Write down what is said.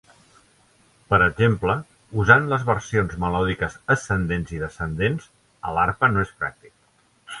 Per exemple, usant les versions melòdiques ascendents i descendents a l'arpa no és pràctic.